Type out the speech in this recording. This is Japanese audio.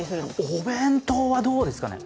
お弁当はどうですかね。